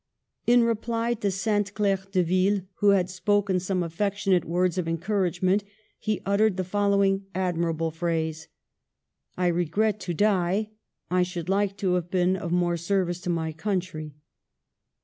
In reply to Sainte Claire Deville, who had spoken some affectionate words of encouragement, he uttered the following admirable phrase : "I re gret to die : I should like to have been of more service to my country."